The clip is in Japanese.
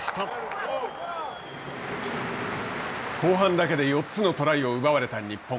後半だけで４つのトライを奪われた日本。